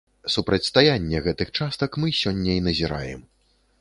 Супрацьстаянне гэтых частак мы сёння і назіраем.